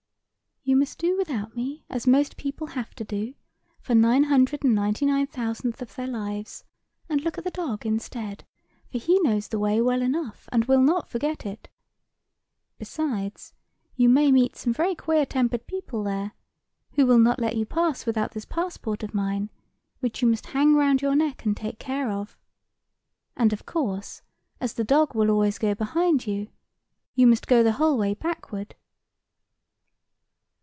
"You must do without me, as most people have to do, for nine hundred and ninety nine thousandths of their lives; and look at the dog instead; for he knows the way well enough, and will not forget it. Besides, you may meet some very queer tempered people there, who will not let you pass without this passport of mine, which you must hang round your neck and take care of; and, of course, as the dog will always go behind you, you must go the whole way backward."